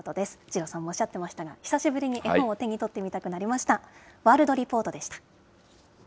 二郎さんもおっしゃっていましたが、久しぶりに絵本を手に取ってみたくなりました。